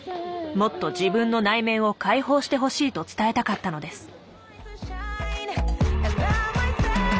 もっと自分の内面を解放してほしいと伝えたかったのです。